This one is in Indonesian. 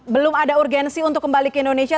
belum ada urgensi untuk kembali ke indonesia